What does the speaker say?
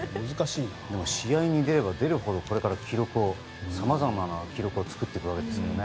でも試合に出れば出るほどこれからさまざまな記録を作っていくわけですよね。